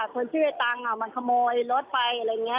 คนชื่อไอ้ตังค์มันขโมยรถไปอะไรอย่างนี้